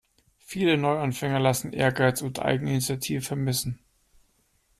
Viele Neuanfänger lassen Ehrgeiz und Eigeninitiative vermissen.